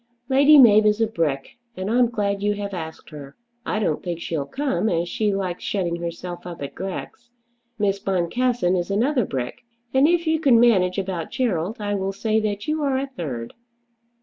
Lady Mab is a brick, and I'm glad you have asked her. I don't think she'll come, as she likes shutting herself up at Grex. Miss Boncassen is another brick. And if you can manage about Gerald I will say that you are a third."